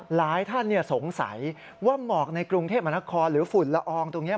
หลายท่านสงสัยว่าหมอกในกรุงเทพมหานครหรือฝุ่นละอองตรงนี้